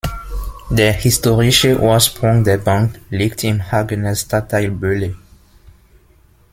Der historische Ursprung der Bank liegt im Hagener Stadtteil Boele.